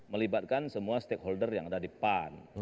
melibatkan semua stakeholder yang ada di pan